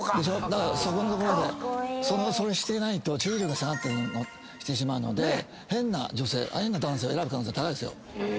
だからそこのところでそれしていないと注意力が下がってしまうので変な女性変な男性を選ぶ可能性高いですよ。